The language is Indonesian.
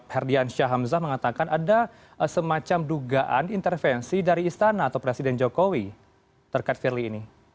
herdiansya hamzah mengatakan ada semacam dugaan intervensi dari istana atau presiden jokowi terkait firly ini